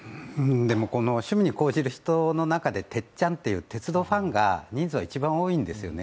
この趣味を高じる人の中で鉄ちゃん、鉄道ファンが人数が一番多いんですよね、